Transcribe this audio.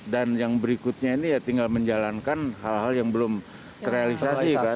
dan yang berikutnya ini ya tinggal menjalankan hal hal yang belum terrealisasi